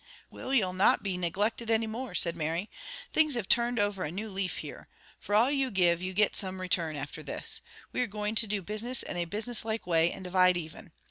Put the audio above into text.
"Will, you'll not be neglected any more," said Mary. "Things have turned over a new leaf here. For all you give, you get some return, after this. We are going to do business in a businesslike way, and divide even.